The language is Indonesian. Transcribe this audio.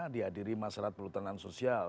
di hadiri masyarakat perlutanan sosial